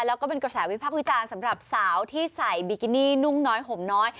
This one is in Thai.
แล้วก็เป็นกระแสวิพักษ์วิจารณ์สำหรับสาวที่ใส่บิกินี่นุ่งน้อยห่มน้อย